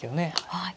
はい。